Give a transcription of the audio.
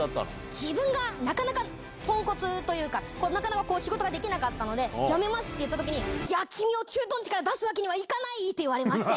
自分がなかなかぽんこつというか、なかなか仕事ができなかったので、辞めますって言ったときに、いや、君を駐屯地から出すわけにはいかないと言われまして。